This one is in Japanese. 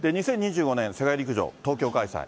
２０２５年、世界陸上東京開催。